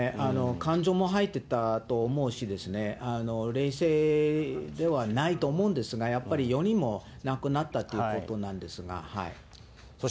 感情も入ってたと思うしですね、冷静ではないと思うんですが、やっぱり、４人も亡くなったということなんですが。